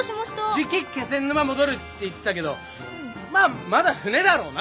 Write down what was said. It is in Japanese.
じき気仙沼戻るって言ってたけどまあまだ船だろうな。